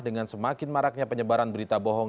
dengan semakin maraknya penyebaran berita bohong